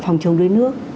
phòng chống đuối nước